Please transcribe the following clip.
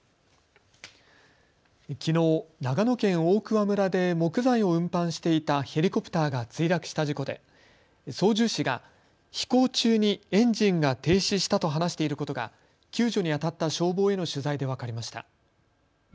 きのう、長野県大桑村で木材を運搬していたヘリコプターが墜落した事故で操縦士が飛行中にエンジンが停止したと話していることが救助にあたった消防への取材で分かりました。